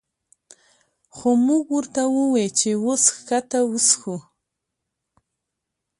خو مونږ ورته ووې چې وس ښکته وڅښو